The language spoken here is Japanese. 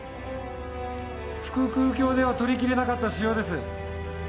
腹腔鏡では取りきれなかった腫瘍です。